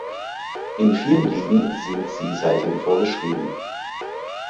In vielen Ligen sind sie seitdem vorgeschrieben.